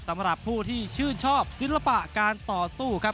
สำหรับผู้ที่ชื่นชอบศิลปะการต่อสู้ครับ